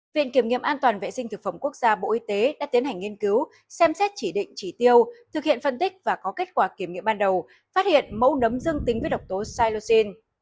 viện kiểm nghiệm an toàn vệ sinh thực phẩm quốc gia bộ y tế đã tiến hành nghiên cứu xem xét chỉ định chỉ tiêu thực hiện phân tích và có kết quả kiểm nghiệm ban đầu phát hiện mẫu nấm dương tính với độc tố cilocin